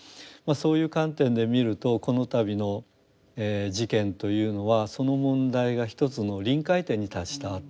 そういう観点で見るとこの度の事件というのはその問題が一つの臨界点に達したと。